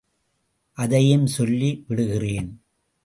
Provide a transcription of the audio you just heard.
அதையும் சொல்லி விடுகிறேன்.